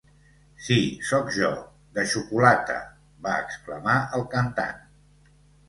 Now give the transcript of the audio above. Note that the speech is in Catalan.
Si sóc jo, de xocolata!, va exclamar el cantant.